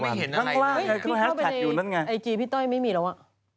พี่เข้าไปในไอจีพี่ต้อยไม่มีแล้วอะ